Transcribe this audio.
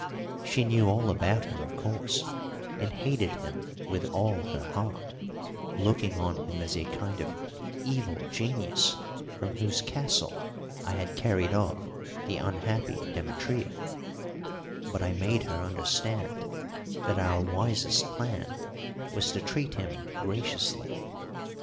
She knew all about him, of course, and hated him with all her heart, looking on him as a kind of evil genius from whose castle I had carried off the unhappy Demetria; but I made her understand that our wisest plan was to treat him graciously.